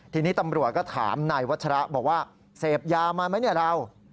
ทีนี้ตำรวจก็ถามนายวัชระบอกว่าเสพยามาไหมเนี่ยเรา